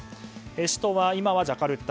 首都は今はジャカルタ